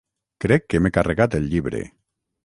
Crec que m'he carregat el llibre.